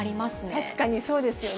確かにそうですよね。